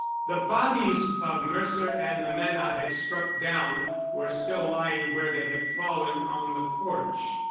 The bodies of Mercer and the man I had struck down were still lying where they had fallen on the porch.